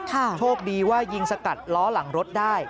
โชคดีว่ายิงสกัดล้อหลังรถได้